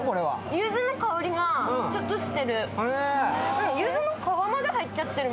ゆずの香りがちょっとしてる。